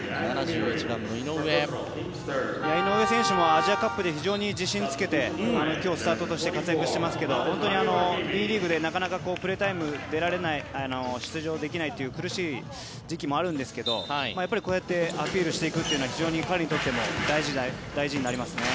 井上選手もアジアカップで非常に自信をつけて今日、スタートして活躍していますがＢリーグでプレータイム出場できないという苦しい時期もあるんですがやっぱりこうやってアピールしていくというのは非常に彼にとっても大事になりますね。